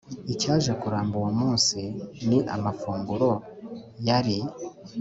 icyaje kuramba uwo munsi ni amafunguro yari